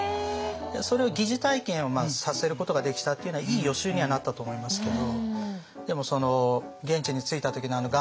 それを疑似体験をさせることができたっていうのはいい予習にはなったと思いますけど。